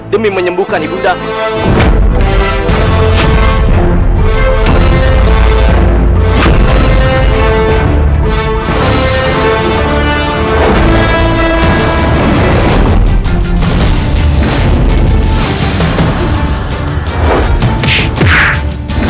demi menyembuhkan ibu danda